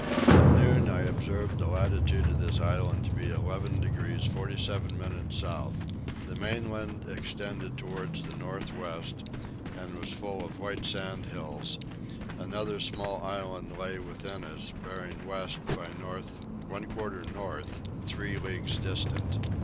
At noon I observed the latitude of this island to be 11 degrees 47 minutes south. The mainland extended towards the north west and was full of white sandhills: another small island lay within us, bearing west by north one quarter north three leagues distant.